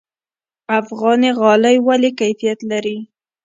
افغاني غالۍ ولې کیفیت لري؟